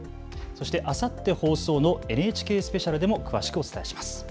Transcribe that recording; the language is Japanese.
そしてあさって放送のＮＨＫスペシャルでも詳しくお伝えします。